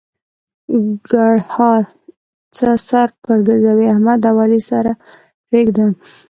ګړهار: څه سر په ګرځوې؛ احمد او علي سره پرېږده.